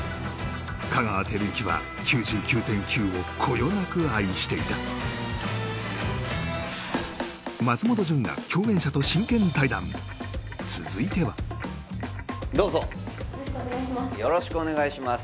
香川照之は「９９．９」をこよなく愛していた松本潤が共演者と真剣対談続いてはどうぞよろしくお願いします